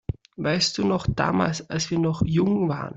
Weißt du noch damals, als wir noch jung waren?